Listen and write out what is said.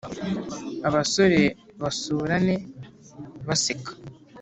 Abasore basurane baseka